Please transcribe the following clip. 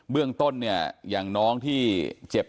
เบื้องต้นอย่างน้องที่เจ็บ